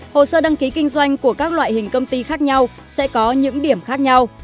hồ sơ đăng ký kinh doanh của các loại hình công ty khác nhau sẽ có những điểm khác nhau